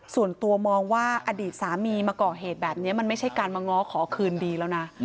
ส่วนตัวมองว่าอดีตสามีมาก่อเหตุแบบนี้มันไม่ใช่การมาง้อขอคืนดีแล้วนะ